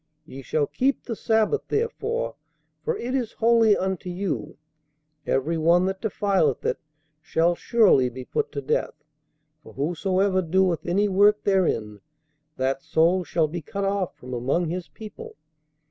Ye shall keep the sabbath therefore; for it is holy unto you; every one that defileth it shall surely be put to death; for whosoever doeth any work therein, that soul shall be cut off from among his people.